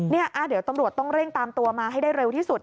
เดี๋ยวตำรวจต้องเร่งตามตัวมาให้ได้เร็วที่สุด